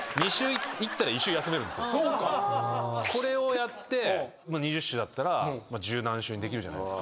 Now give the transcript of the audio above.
これをやって２０周だったら十何周にできるじゃないですか。